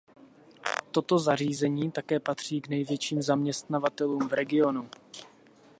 Tato zařízení také patří k největším zaměstnavatelům v regionu.